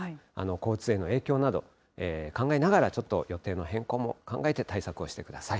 交通への影響など、考えながらちょっと予定の変更も考えて対策をしてください。